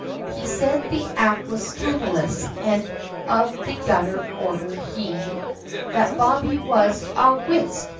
He said the act was scandalous, and of the gutter order, he, That bobbie was, "Ah whisht!